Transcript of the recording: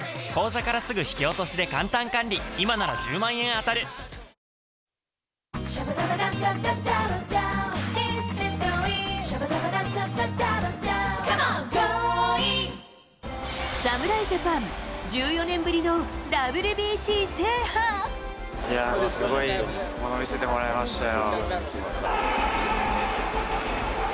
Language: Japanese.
あ侍ジャパン、いやー、すごいもの見せてもらいましたよ。